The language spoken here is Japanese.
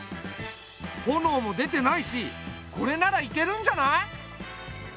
炎も出てないしこれならいけるんじゃない？